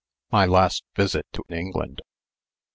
MY LAST VISIT TO ENGLAND.